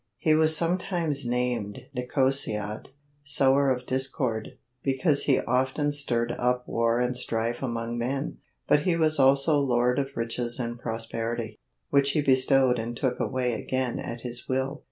He was sometimes named Necocyautl, "sower of discord," because he often stirred up war and strife among men, but he was also lord of riches and prosperity, which he bestowed and took away again at his will.